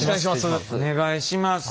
お願いします。